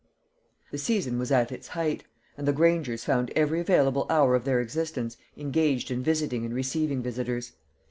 The season was at its height, and the Grangers found every available hour of their existence engaged in visiting and receiving visitors.